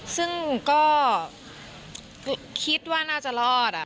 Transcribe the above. ซึ่งก็คิดว่าน่าจะรอด